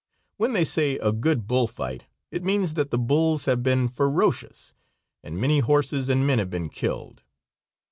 When they say a good bull fight, it means that the bulls have been ferocious and many horses and men have been killed.